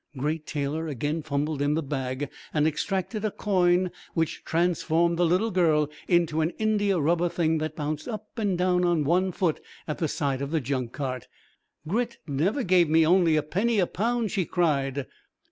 Great Taylor again fumbled in the bag and extracted a coin which transformed the little girl into an India rubber thing that bounced up and down on one foot at the side of the junk cart. "Grit never gave me only a penny a pound," she cried.